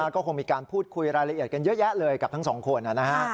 ก็คงมีการพูดคุยรายละเอียดกันเยอะแยะเลยกับทั้งสองคนนะฮะ